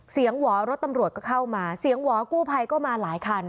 หวอรถตำรวจก็เข้ามาเสียงหวอกู้ภัยก็มาหลายคัน